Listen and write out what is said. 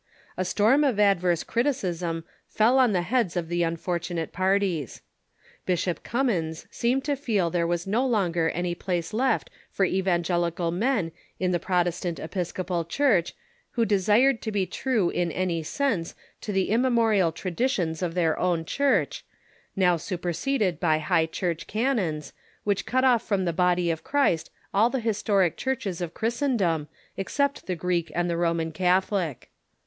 A storm of adverse criticism fell on the heads of the unfortunate parties. Bishop Cummins seemed to feel there was no longer any place left for evangelical men in the Prot estant Episcopal Church who desired to be true in any sense to the immemorial traditions of their own Church, now super 572 THE CHUKCH IN THE UNITED STATES seded by High Chui*ch canons, which cut off from the body of Christ all the historic Churches of Christendom, except the Greek and the Roman Catholic.